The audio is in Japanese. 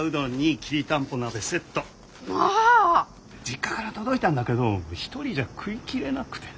実家から届いたんだけど１人じゃ食いきれなくて。